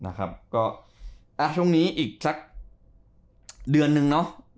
นะครับก็อ่ะช่วงนี้อีกสักเดือนนึงเนาะ